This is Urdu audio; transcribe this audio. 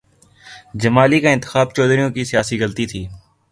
جمالی کا انتخاب چودھریوں کی سیاسی غلطی تھی۔